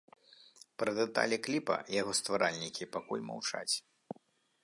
Пра дэталі кліпа яго стваральнікі пакуль маўчаць.